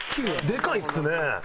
でかいですね。